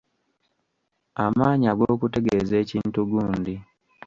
Amaanyi ag'okutegeeza ekintu gundi.